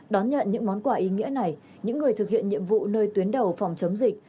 đón nhận những món quà ý nghĩa này những người thực hiện nhiệm vụ nơi tuyến đầu phòng chống dịch